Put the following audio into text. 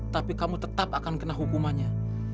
tapi kamu tetap akan kena hukumannya